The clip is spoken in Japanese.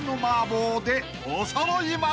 ［おそろい松！］